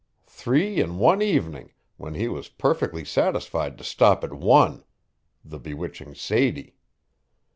Three in one evening, when he was perfectly satisfied to stop at one the bewitching Sadie.